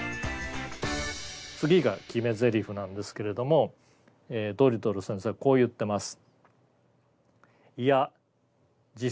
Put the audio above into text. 次が決めゼリフなんですけれどもえドリトル先生はこう言ってます。